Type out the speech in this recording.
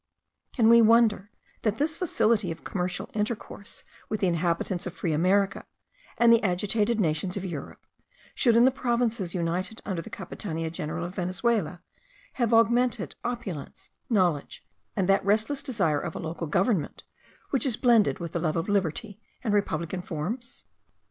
Can we wonder that this facility of commercial intercourse with the inhabitants of free America, and the agitated nations of Europe, should in the provinces united under the Capitania General of Venezuela, have augmented opulence, knowledge, and that restless desire of a local government, which is blended with the love of liberty and republican forms?